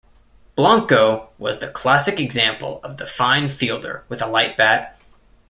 Blanco was the classic example of the fine fielder with a light bat.